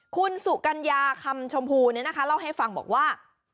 คุณสุกัญญาคำชมพูเนี่ยนะคะเล่าให้ฟังบอกว่า